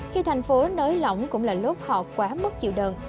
khi thành phố nới lỏng cũng là lốt họ quá mất chịu đựng